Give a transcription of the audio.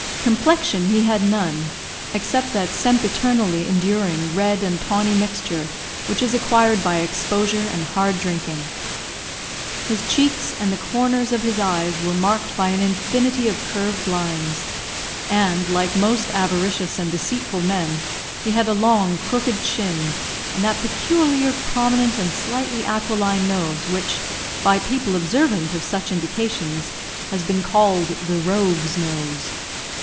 Complexion he had none, except that sempiternally enduring red and tawny mixture which is acquired by exposure and hard drinking. His cheeks and the corners of his eyes were marked by an infinity of curved lines, and, like most avaricious and deceitful men, he had a long, crooked chin, and that peculiar prominent and slightly aquiline nose which, by people observant of such indications, has been called "the rogue's nose."